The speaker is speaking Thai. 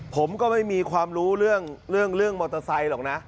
ผมก็ไม่มีความรู้เรื่องเรื่องมอเตอร์ไซค์หรอกนะ